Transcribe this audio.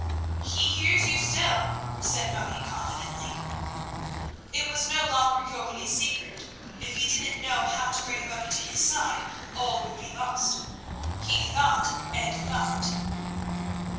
"He hears you still," said Moni, confidently. It was no longer Jörgli's secret. If he didn't know how to bring Moni to his side, all would be lost. He thought and thought.